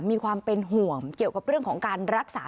มีความเป็นห่วงเกี่ยวกับเรื่องของการรักษา